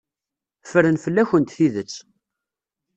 Ffren fell-akent tidet.